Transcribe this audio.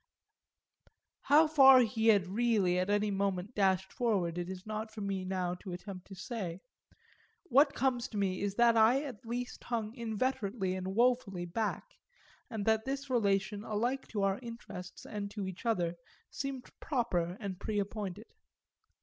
How far he had really at any moment dashed forward it is not for me now to attempt to say; what comes to me is that I at least hung inveterately and woefully back, and that this relation alike to our interests and to each other seemed proper and preappointed.